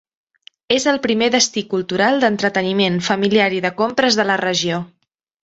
És el primer destí cultural, d'entreteniment, familiar i de compres de la regió.